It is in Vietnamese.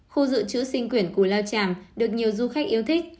khu dự trữ sinh quyển cù lao chàm được nhiều du khách yêu thích